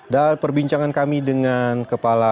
dan perbincangan kami dengan kepala